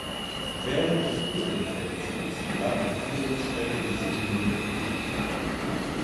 Während des Polenfeldzugs lag die Führungsstelle in Swinemünde.